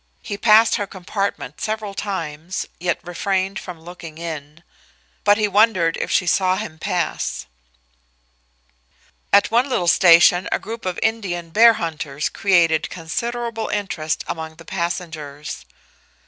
He passed her compartment several times, yet refrained from looking in. But he wondered if she saw him pass. At one little station a group of Indian bear hunters created considerable interest among the passengers.